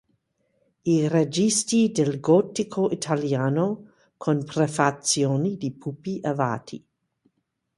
I registi del Gotico italiano" con prefazione di Pupi Avati.